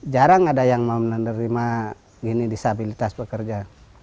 jarang ada yang mau menerima gini disabilitas pekerja